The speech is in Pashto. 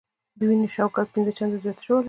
د وينې شوګر پنځه چنده زياتولے شي -